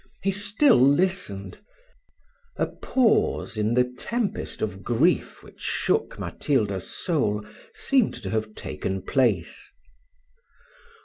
He still listened a pause in the tempest of grief which shook Matilda's soul seemed to have taken place.